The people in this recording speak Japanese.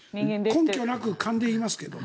根拠なく、勘で言いますが。